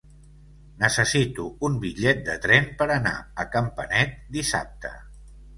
Necessito un bitllet de tren per anar a Campanet dissabte.